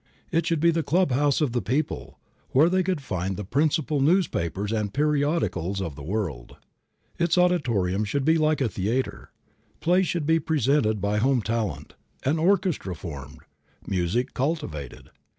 It should be the clubhouse of the people, where they could find the principal newspapers and periodicals of the world. Its auditorium should be like a theatre. Plays should be presented by home talent; an orchestra formed, music cultivated.